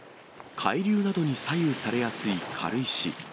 海流などに左右されやすい軽石。